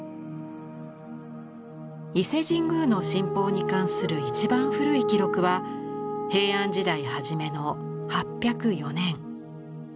伊勢神宮の「神宝」に関する一番古い記録は平安時代初めの８０４年。